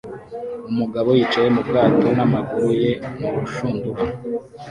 Umugabo yicaye mu bwato n'amaguru ye murushundura